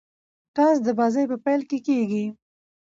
ټاس د بازۍ په پیل کښي کیږي.